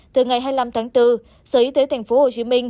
từ ngày hai mươi năm tháng bốn sở y tế tp hcm